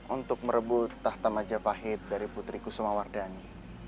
untuk merebut tahta majapahit dari putri kusumawardhani